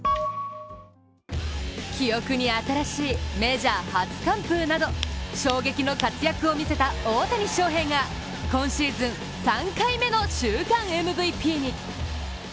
記憶に新しい、メジャー初完封など衝撃の活躍を見せた大谷翔平が今シーズン、３回目の週間ＭＶＰに。